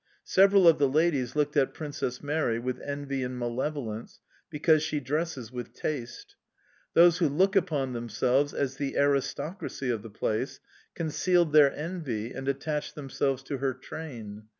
Several of the ladies looked at Princess Mary with envy and malevolence, because she dresses with taste. Those who look upon themselves as the aristocracy of the place concealed their envy and attached themselves to her train.